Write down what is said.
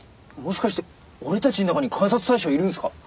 もしかして俺たちの中に監察対象いるんですか？